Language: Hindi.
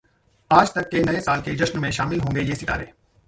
आजतक के नए साल के जश्न में शामिल होंगे ये सितारे